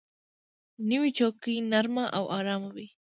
نوې چوکۍ نرمه او آرامه وي